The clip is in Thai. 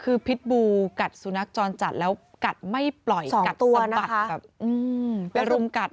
คือพิษบูว์กัดสุนัขจรจัดแล้วกัดไม่ปล่อย๒ตัวนะคะลุมกัด